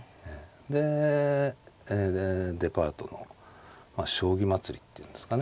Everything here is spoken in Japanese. でデパートの将棋祭りっていうんですかね